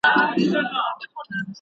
رباني فکر تاريخي شرايط ښيي.